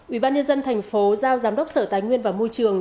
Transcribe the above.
ubnd tp giao giám đốc sở tài nguyên và môi trường